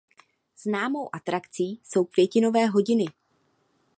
Známou atrakcí jsou "Květinové hodiny".